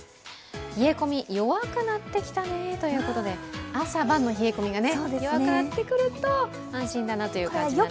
冷え込み、弱くなってきたねということで、朝晩の冷え込みが弱くなってくると安心だなという感じ。